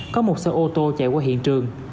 có một xe ô tô chạy qua hiện trường